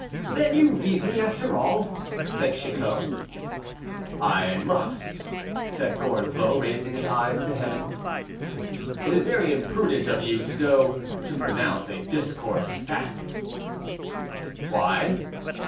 "Then you leave me, after all?" said Chicot. "I must," said Gorenflot, raising his eyes to heaven. "It is very imprudent of you to go to pronounce a discourse fasting." "Why?"